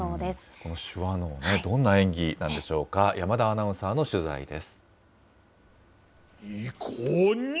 この手話能ね、どんな演技なんでしょうか、山田アナウンサーの取材です。